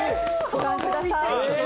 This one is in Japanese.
ご覧ください。